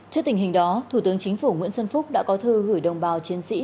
trước tình hình đó thủ tướng chính phủ nguyễn xuân phúc đã có thư gửi đồng bào chiến sĩ